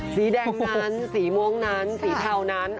สีแดงนั้นสีม่วงนั้นสีเทานั้น